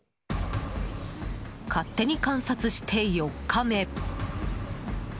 勝手に観察して４日目。